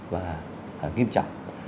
và nghiêm trọng